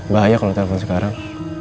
bahaya kalau telepon sekarang